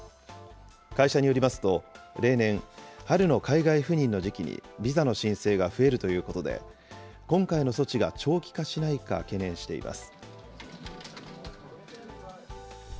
会社によりますと、例年、春の海外赴任の時期に、ビザの申請が増えるということで、今回の措置が長期化しないか、懸念しています。